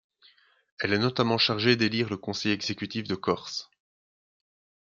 Elle est notamment chargée d'élire le conseil exécutif de Corse.